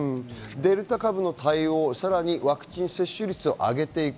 デルタ株の対応、さらにワクチン接種率を上げていく。